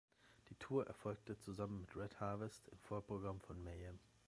Die Tour erfolgte zusammen mit Red Harvest im Vorprogramm von Mayhem.